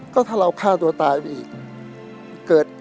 ก็ถ้าเราฆ่าตัวตายไปอีก